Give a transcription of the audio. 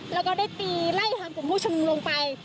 แล้วก็ได้ตีไล่ทางกลุ่มผู้ชมนุมลงไป